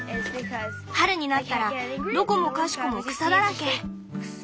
春になったらどこもかしこも草だらけ。